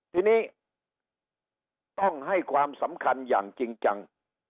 ทีนี้ต้องให้ความสำคัญอย่างจริงจัง